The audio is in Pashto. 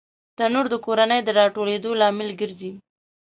تنور د کورنۍ د راټولېدو لامل ګرځي